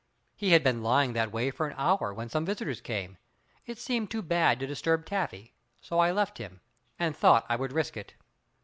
He had been lying that way for an hour when some visitors came. It seemed too bad to disturb Taffy so I left him, and thought I would risk it.